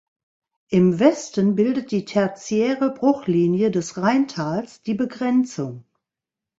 Im Westen bildet die tertiäre Bruchlinie des Rheintals die Begrenzung.